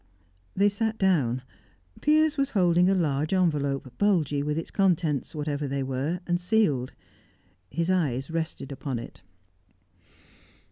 They sat down. Piers was holding a large envelope, bulgy with its contents, whatever they were, and sealed; his eyes rested upon it.